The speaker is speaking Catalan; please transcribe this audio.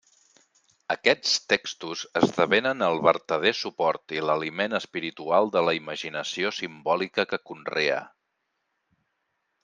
Aquests textos esdevenen el vertader suport i l'aliment espiritual de la imaginació simbòlica que conrea.